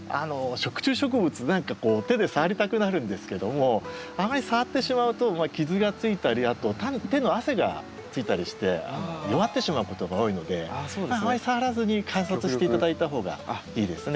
食虫植物何かこう手で触りたくなるんですけどもあまり触ってしまうと傷がついたりあと手の汗がついたりして弱ってしまうことが多いのであまり触らずに観察して頂いた方がいいですね。